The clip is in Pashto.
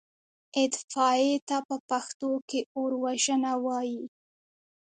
اطفائيې ته په پښتو کې اوروژنه وايي.